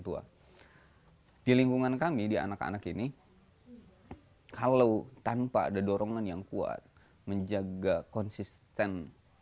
tua di lingkungan kami di anak anak ini kalau tanpa ada dorongan yang kuat menjaga konsisten